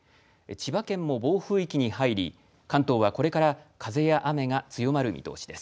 千葉県も暴風域に入り関東は、これから風や雨が強まる見通しです。